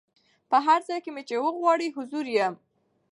په هر ځای کي چي مي وغواړی حضور یم